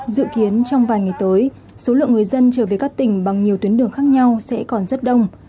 dự kiến trong vài ngày tới số lượng người dân trở về các tỉnh bằng nhiều tuyến đường khác nhau sẽ còn rất đông